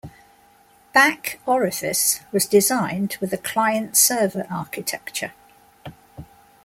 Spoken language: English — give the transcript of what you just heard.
Back Orifice was designed with a client-server architecture.